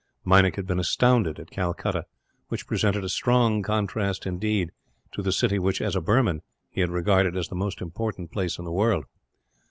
Meinik had been astounded at Calcutta; which presented a strong contrast, indeed, to the city which, as a Burman, he had regarded as the most important place in the world.